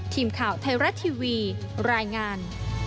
ทีมข่าวไทยรัฐทีวีรายงาน